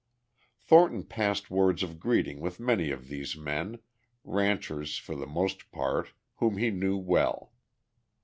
Thornton passed words of greeting with many of these men, ranchers for the most part whom he knew well.